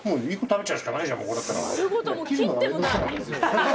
食べちゃうしかないじゃん。